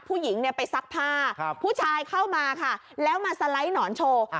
ผู้หญิงเนี่ยไปซักผ้าผู้ชายเข้ามาค่ะแล้วมาสไลด์หนอนโชว์